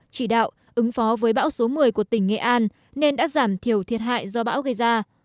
chỉ đạo ứng phó với bão số một mươi của tỉnh nghệ an nên đã giảm thiểu thiệt hại do bão gây ra